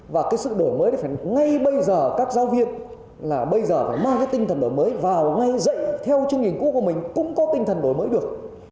và cái sự đổi mới này phải ngay bây giờ các giáo viên là bây giờ phải mang cái tinh thần đổi mới vào ngay dạy theo chương trình cũ của mình cũng có tinh thần đổi mới được